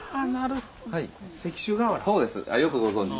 よくご存じで。